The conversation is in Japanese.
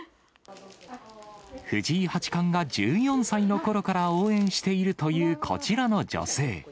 藤井八冠が１４歳のころから応援しているというこちらの女性。